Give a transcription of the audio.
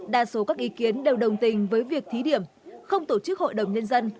đa số các ý kiến đều đồng tình với việc thí điểm không tổ chức hội đồng nhân dân